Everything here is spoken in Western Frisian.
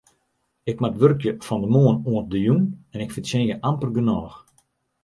Ik moat wurkje fan de moarn oant de jûn en ik fertsjinje amper genôch.